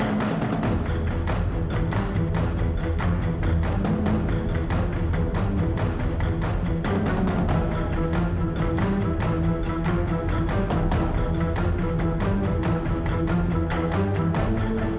kasih tau kamu tuh kasih apa sih